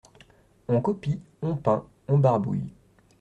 On copie, on peint, on barbouille.